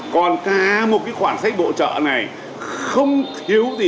còn cả một cái khoản sách bổ trợ này không thiếu gì